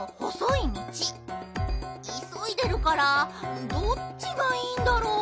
いそいでるからどっちがいいんだろう。